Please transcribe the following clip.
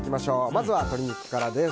まずは鶏肉からです。